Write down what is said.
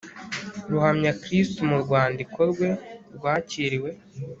ruhamya kristu mu rwandiko rwe rwakiriwe